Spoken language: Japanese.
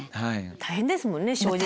大変ですもんね正直。